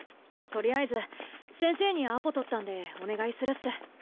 とりあえず先生にアポ取ったんでお願いするっす。